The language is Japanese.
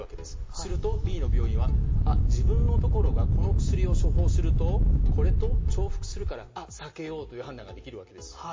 すると、Ｂの病院は自分のところがこの薬を処方すると重複するから避けようという判断ができるわけです。